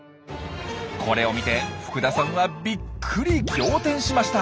これを見て福田さんはびっくり仰天しました。